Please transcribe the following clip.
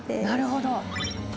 なるほど。